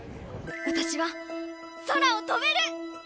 私は空を飛べる！